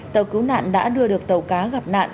tàu cứu nạn đã đưa được tàu cá gặp nạn